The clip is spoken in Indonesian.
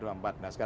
dua tiga dua empat